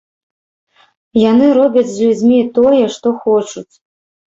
Яны робяць з людзьмі тое, што хочуць.